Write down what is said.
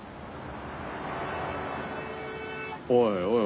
おいおい